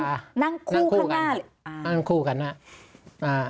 นั่งคู่ข้างหน้า